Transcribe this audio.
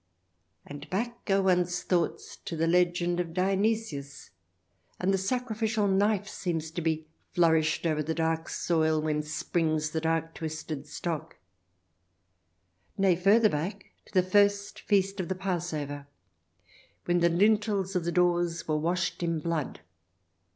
And back go one's thoughts to the legend of Dionysius, and the sacrificial knife seems to be flourished over the dark soil whence springs the dark twisted stock; 312 THE DESIRABLE ALIEN [ch. xxi nay, further back, to the first Feast of the Passover, when the lintels of the doors were washed in blood.